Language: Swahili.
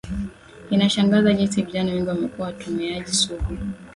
inashangaza jinsi vijana wengi wamekuwa watumiaji sugu